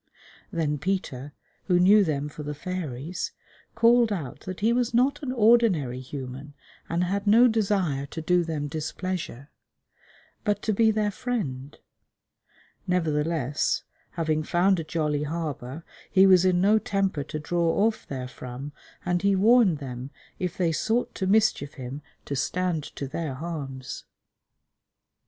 Then Peter, who knew them for the fairies, called out that he was not an ordinary human and had no desire to do them displeasure, but to be their friend; nevertheless, having found a jolly harbour, he was in no temper to draw off therefrom, and he warned them if they sought to mischief him to stand to their harms.